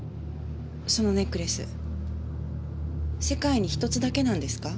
そのネックレス世界に１つだけなんですか？